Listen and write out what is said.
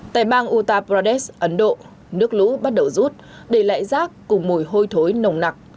tại bang uttar pradesh ấn độ nước lũ bắt đầu rút đầy lãi rác cùng mùi hôi thối nồng nặc